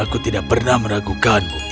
aku tidak pernah meragukanmu